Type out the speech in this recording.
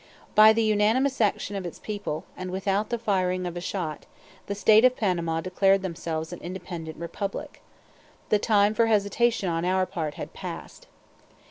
By the unanimous action of its people, and without the firing of a shot, the state of Panama declared themselves an independent republic. The time for hesitation on our part had passed.